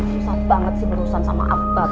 susah banget sih perusahaan sama akbab